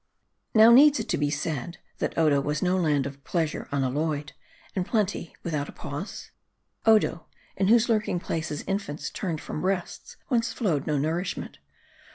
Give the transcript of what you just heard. Now needs it to bo said, that Odo was no land of pleas ure unalloyed, and plenty without a pause ? Odo, in whose lurking places infants turned from breasts, whence flowed no nourishment.